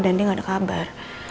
dan dia nggak ada kabar